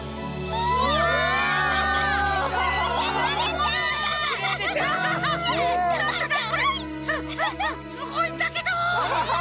すすすすごいんだけど！